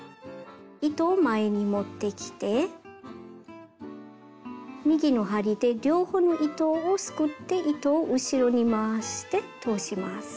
糸を前に持ってきて右の針で両方の糸をすくって糸を後ろに回して通します。